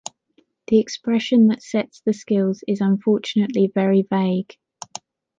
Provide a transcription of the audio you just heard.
The expression that sets the skills is unfortunately very vague.